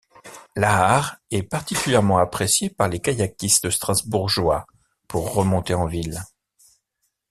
L'Aar est particulièrement appréciée par les kayakistes strasbourgeois pour remonter en ville.